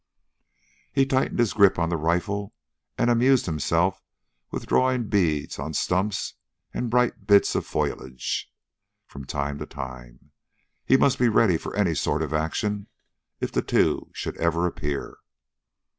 He tightened his grip on the rifle and amused himself with drawing beads on stumps and bright bits of foliage, from time to time. He must be ready for any sort of action if the two should ever appear.